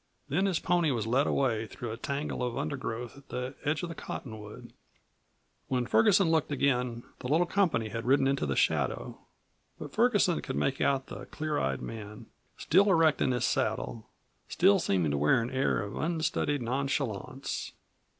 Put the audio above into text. Then his pony was led away, through a tangle of undergrowth at the edge of the cottonwood. When Ferguson looked again, the little company had ridden into the shadow, but Ferguson could make out the clear eyed man, still erect in his saddle, still seeming to wear an air of unstudied nonchalance.